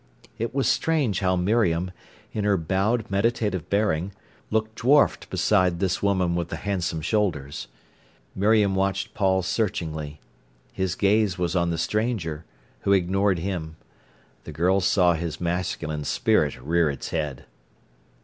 It was strange how Miriam, in her bowed, meditative bearing, looked dwarfed beside this woman with the handsome shoulders. Miriam watched Paul searchingly. His gaze was on the stranger, who ignored him. The girl saw his masculine spirit rear its head.